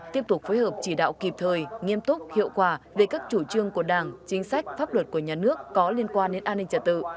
tiếp tục phối hợp chỉ đạo kịp thời nghiêm túc hiệu quả về các chủ trương của đảng chính sách pháp luật của nhà nước có liên quan đến an ninh trả tự